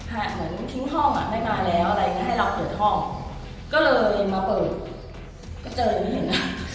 หากเหมือนทิ้งห้องอ่ะได้มาแล้วอะไรให้เราเกิดห้องก็เลยมาเปิดก็เจออะไรไม่เห็นนะ